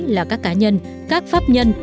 là các cá nhân các pháp nhân